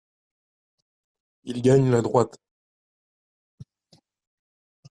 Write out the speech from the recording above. Il gagne la droite.